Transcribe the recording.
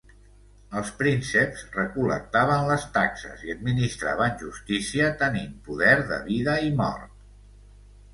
Els prínceps recol·lectaven les taxes i administraven justícia tenint poder de vida i mort.